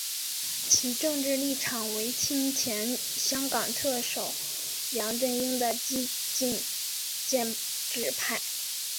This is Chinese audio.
其政治立场为亲前香港特首梁振英的激进建制派。